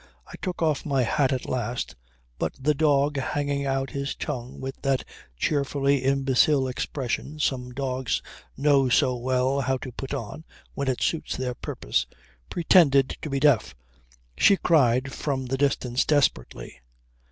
I took off my hat at last, but the dog hanging out his tongue with that cheerfully imbecile expression some dogs know so well how to put on when it suits their purpose, pretended to be deaf. She cried from the distance desperately.